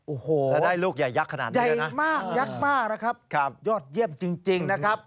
โอ้โฮใจมากยักษ์มากนะครับยอดเยี่ยมจริงนะครับถ้าได้ลูกใหญ่ยักษ์ขนาดนี้